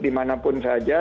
dimana pun saja